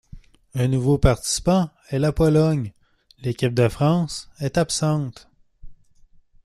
Un nouveau participant est la Pologne, l'équipe de France est absente.